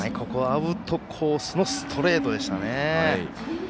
ここはアウトコースのストレートでしたね。